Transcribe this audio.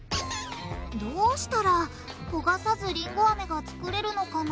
どうしたらこがさずりんごアメがつくれるのかな？